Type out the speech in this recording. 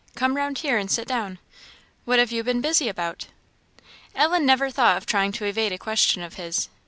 Come round here, and sit down. What have you been busy about?" Ellen never thought of trying to evade a question of his.